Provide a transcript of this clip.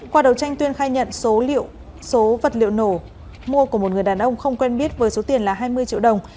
qua đầu tranh tuyên khai nhận số liệu số vật liệu nổ mua của một người đàn ông không quen biết với số tiền là hai mươi triệu đồng